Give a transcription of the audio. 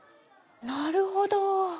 なるほど。